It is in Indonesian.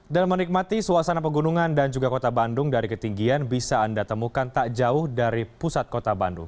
dan menikmati suasana pegunungan dan juga kota bandung dari ketinggian bisa anda temukan tak jauh dari pusat kota bandung